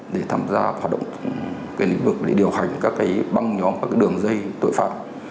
để tham gia hoạt động điều hành các băng nhóm đường dây tội phạm